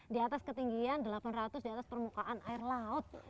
diatas ketinggian delapan ratus diatas permukaan air laut